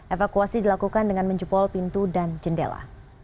evakuasi dilakukan dengan menjebol pintu dan jendela